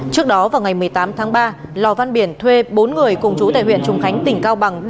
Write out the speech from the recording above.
trước đó vào ngày một mươi tám tháng ba lò văn biển thuê bốn người cùng chú tại huyện trùng khánh tỉnh cao bằng